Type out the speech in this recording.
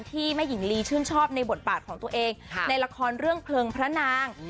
แม่หญิงลีชื่นชอบในบทบาทของตัวเองในละครเรื่องเพลิงพระนาง